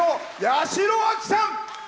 八代亜紀さん。